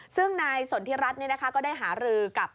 ซึ่งส่วนที่รัฐก็ได้หารือกับ